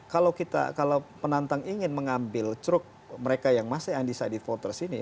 kalau penantang ingin mengambil truk mereka yang masih undecided voters ini